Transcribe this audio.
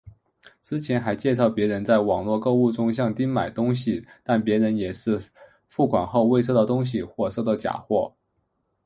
之前还介绍别人在网路购物中向丁买东西但别人也是付款后未收到东西或收到假货。